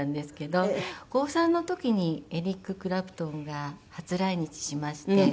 高３の時にエリック・クラプトンが初来日しまして。